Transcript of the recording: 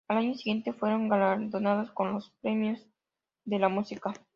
Al año siguiente fueron galardonados con los Premios de la Música.